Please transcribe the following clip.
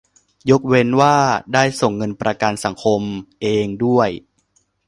ยกเว้นว่าได้ส่งเงินประกันสังคมเองด้วย